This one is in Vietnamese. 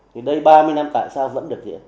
thì đây ba mươi năm tại sao vẫn được diễn